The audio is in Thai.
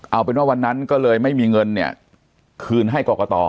เอาเป็นว่าวันนั้นก็เลยไม่มีเงินเนี่ยคืนให้กรกต